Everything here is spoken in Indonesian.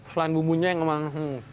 selain bumbunya yang memang